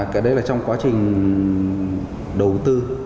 cái đấy là trong quá trình đầu tư